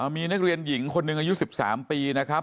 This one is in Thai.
มีนักเรียนหญิงคนหนึ่งอายุ๑๓ปีนะครับ